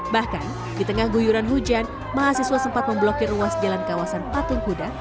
bahkan di tengah guyuran hujan mahasiswa sempat memblokir ruas jalan kawasan patung kuda